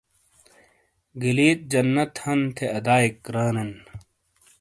گلیت جنت ہن تھے ادیئک رانن